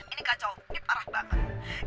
ini kacau ini parah banget